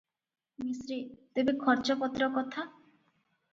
ମିଶ୍ରେ- ତେବେ ଖର୍ଚ୍ଚପତ୍ର କଥା ।